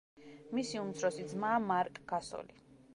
მისი უმცროსი ძმაა მარკ გასოლი.